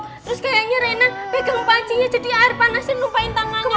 terus kayaknya reina pegang panci jadi air panasnya lupain tangannya mbak